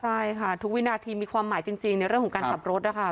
ใช่ค่ะทุกวินาทีมีความหมายจริงในเรื่องของการขับรถนะคะ